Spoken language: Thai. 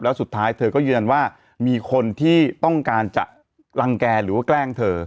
แล้วสุดท้ายเธอก็ยืนยันว่ามีคนที่ต้องการจะรังแก่หรือว่าแกล้งเธอ